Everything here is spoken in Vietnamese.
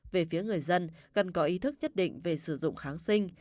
về phía người dân cần có ý thức nhất định về sử dụng kháng sinh